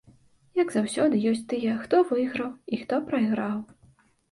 Як заўсёды, ёсць тыя, хто выйграў і хто прайграў.